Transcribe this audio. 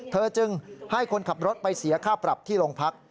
เธอจึงให้คนขับรถไปเสียค่าปรับที่โรงพัก